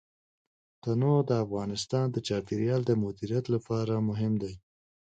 تنوع د افغانستان د چاپیریال د مدیریت لپاره مهم دي.